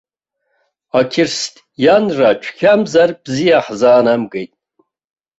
Ақьырсианра цәгьамзар бзиа ҳзаанамгеит.